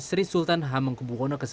sri sultan hamengkubwono x